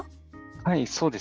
はいそうですね。